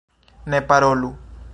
Ne parolu!